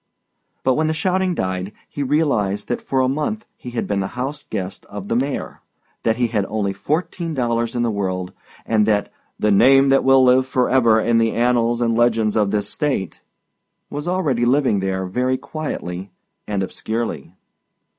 But when the shouting died he realized that for a month he had been the house guest of the mayor, that he had only fourteen dollars in the world and that "the name that will live forever in the annals and legends of this State" was already living there very quietly and obscurely.